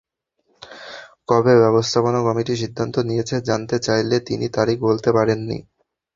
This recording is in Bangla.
কবে ব্যবস্থাপনা কমিটি সিদ্ধান্ত নিয়েছে জানতে চাইলে, তিনি তারিখ বলতে পারেননি।